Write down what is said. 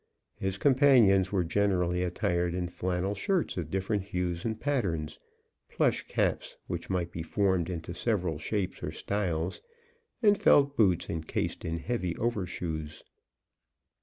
His companions were generally attired in flannel shirts of different hues and patterns, plush caps, which might be formed into several shapes and styles, and felt boots encased in heavy overshoes.